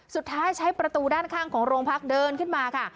สุดท้ายใช้ประตูด้านข้างของโรงพักเดินขึ้นมาค่ะ